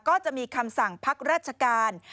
ก็จะมีคำสั่งพักราชการ